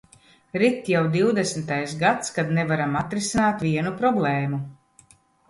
Rit jau divdesmitais gads, kad nevaram atrisināt vienu problēmu.